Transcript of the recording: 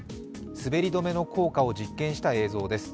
滑り止めの効果を実験した映像です。